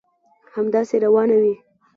همداسي روانه وي.